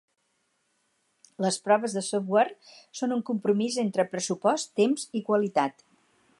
Les proves de software són un compromís entre pressupost, temps i qualitat.